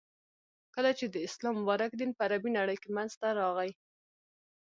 ،کله چی د اسلام مبارک دین په عربی نړی کی منځته راغی.